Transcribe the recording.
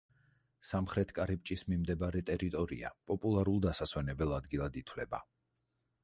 სამხრეთ კარიბჭის მიმდებარე ტერიტორია პოპულარულ დასასვენებელ ადგილად ითვლება.